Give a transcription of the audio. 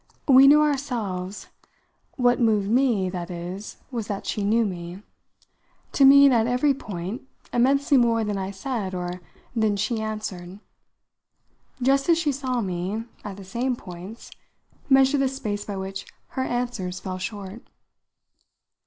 We knew ourselves what moved me, that is, was that she knew me to mean, at every point, immensely more than I said or than she answered; just as she saw me, at the same points, measure the space by which her answers fell short.